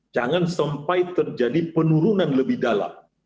jangan sampai terjadi penurunan lebih dalam